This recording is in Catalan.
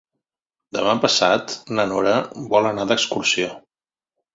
Demà passat na Nora vol anar d'excursió.